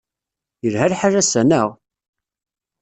Yelha lḥal ass-a, naɣ?